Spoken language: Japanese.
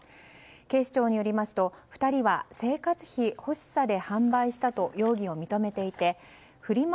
警視庁によりますと２人は、生活費欲しさで販売したと容疑を認めていてフリマ